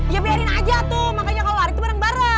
ya biarin aja tuh makanya kalo hari itu bareng bareng